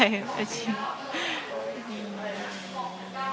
มีใครอยากถามอะไรน้องโบว์เพิ่ม